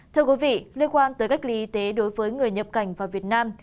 thưa quý vị liên quan tới cách ly y tế đối với người nhập cảnh vào việt nam